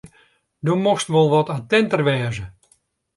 Do mochtst wol wat attinter wêze.